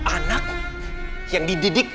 anak yang dididik